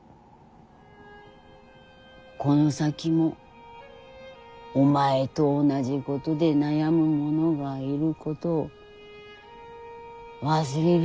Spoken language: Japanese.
この先もお前と同じことで悩む者がいることを忘れるな。